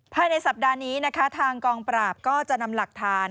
ภายในสัปดาห์นี้นะคะทางกองปราบก็จะนำหลักฐาน